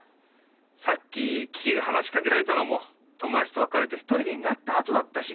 さっきキキがはなしかけられたのもともだちとわかれてひとりになったあとだったし。